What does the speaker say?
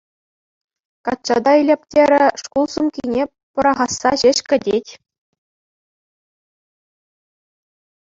Качча та илӗп терӗ, шкул сумкине пӑрахасса ҫеҫ кӗтет.